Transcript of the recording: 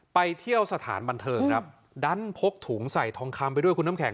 ไปเที่ยวสถานบันเทิงครับดันพกถุงใส่ทองคำไปด้วยคุณน้ำแข